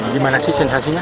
gimana sih sensasinya